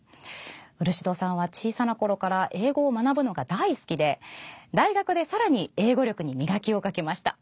漆戸さんは、小さなころから英語を学ぶのが大好きで大学で、さらに英語力に磨きをかけました。